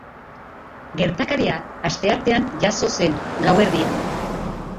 Gertakaria asteartean jazo zen, gauerdian.